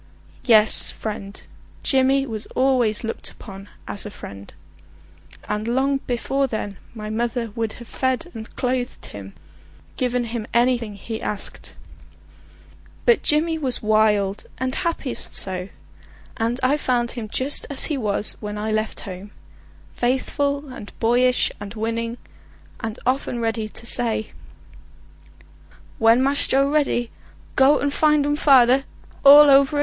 Yes, friend; Jimmy was always looked upon as a friend; and long before then my mother would have fed and clothed him, given him anything he asked. But Jimmy was wild and happiest so, and I found him just as he was when I left home, faithful and boyish and winning, and often ready to say: "When Mass Joe ready, go and find um fader all over again!"